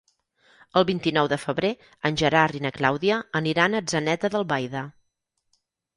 El vint-i-nou de febrer en Gerard i na Clàudia aniran a Atzeneta d'Albaida.